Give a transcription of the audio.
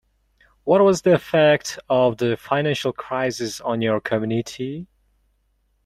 What was the effect of the financial crisis on your community?